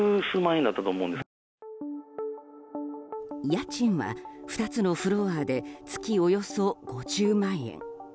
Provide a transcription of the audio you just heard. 家賃は２つのフロアで月およそ５０万円。